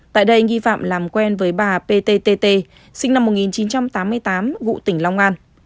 tại đây nghi phạm làm quen với bà ptt sinh năm một nghìn chín trăm tám mươi tám ngụ tỉnh long an